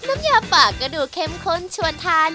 น้ำยาป่าก็ดูเข้มข้นชวนทาน